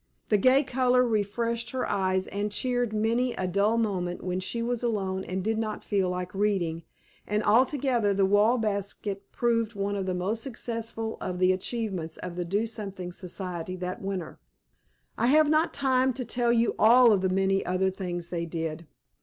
The gay color refreshed her eyes, and cheered many a dull moment when she was alone and did not feel like reading; and, altogether, the wall basket proved one of the most successful of the achievements of the Do Something Society that winter. I have not time to tell you of all the many other things they did.